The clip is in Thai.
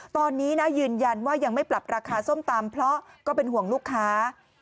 ตอนนี้นะยืนยันว่ายังไม่ปรับราคาส้มตำเพราะก็เป็นห่วงลูกค้า